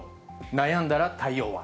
悩んだら対応は？